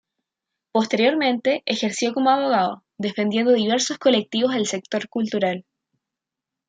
Posteriormente ejerció como abogado defendiendo diversos colectivos del sector cultural.